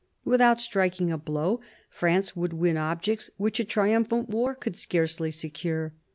Without striking a blow, France would win objects which a triumphant war could scarcely secure.